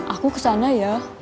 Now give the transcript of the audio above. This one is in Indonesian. aku kesana ya